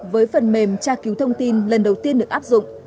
với phần mềm tra cứu thông tin lần đầu tiên được áp dụng